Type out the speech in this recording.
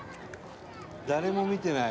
「誰も見てない。